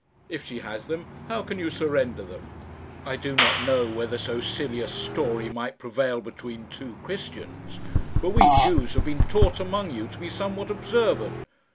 If she has them, how can you surrender them? I do not know whether so silly a story might prevail between two Christians, but we Jews have been taught among you to be somewhat observant.